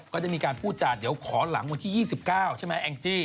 ก็ได้มีการพูดจาเดี๋ยวขอหลังวันที่๒๙ใช่ไหมแองจี้